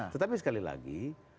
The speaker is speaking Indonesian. tetapi sekali lagi